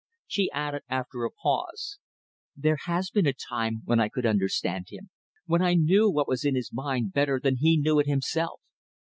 She added after a pause "There has been a time when I could understand him. When I knew what was in his mind better than he knew it himself.